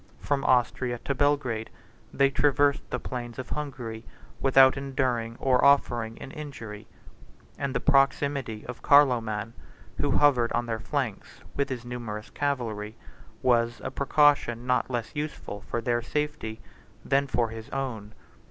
From Austria to Belgrade, they traversed the plains of Hungary, without enduring or offering an injury; and the proximity of Carloman, who hovered on their flanks with his numerous cavalry, was a precaution not less useful for their safety than for his own.